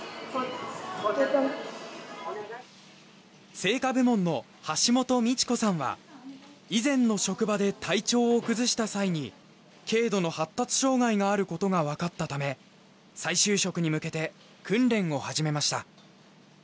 製菓部門の橋本美智子さんは以前の職場で体調を崩した際に軽度の発達障がいがある事がわかったため再就職に向けて訓練を始めました。